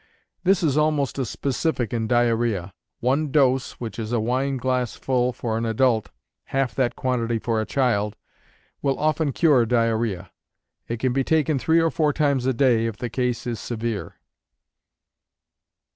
This is almost a specific in diarrhea. One dose, which is a wineglassful for an adult half that quantity for a child will often cure diarrhea. It can be taken three or four times a day if the case is severe.